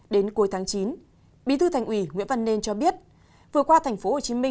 đến cuối tháng chín bí thư thành ủy nguyễn văn nên cho biết vừa qua tp hcm